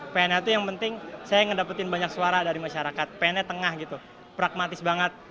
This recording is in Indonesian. pn itu yang penting saya ngedapetin banyak suara dari masyarakat pn tengah gitu pragmatis banget